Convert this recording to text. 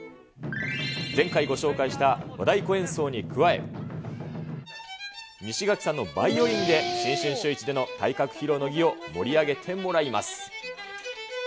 前回ご紹介した和太鼓演奏に加え、西垣さんのバイオリンで新春シューイチでの体格披露の儀を盛り上げてもらいます。